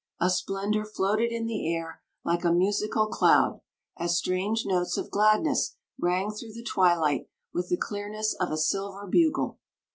A splendor floated in the air like a musical cloud as strange notes of gladness rang through the twilight with the clearness of a silver bugle.